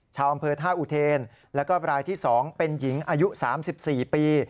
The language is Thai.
ชาวอำเภอท่าอุเทนแล้วก็รายที่๒เป็นหญิงอายุ๓๔ปี